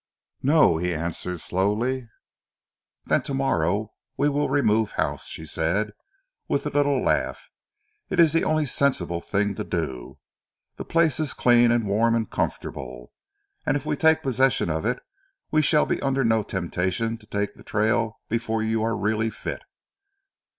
"No," he answered slowly. "Then tomorrow we will remove house," she said with a little laugh. "It's the only sensible thing to do. The place is clean and warm and comfortable; and if we take possession of it we shall be under no temptation to take the trail before you are really fit."